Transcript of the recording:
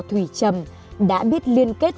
thủy trầm đã biết liên kết